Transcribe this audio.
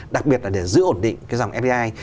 đặc biệt là để giữ ổn định cái dòng fdi